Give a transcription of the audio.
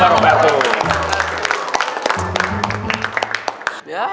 waalaikumsalam warahmatullahi wabarakatuh